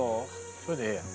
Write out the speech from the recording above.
これでええやん。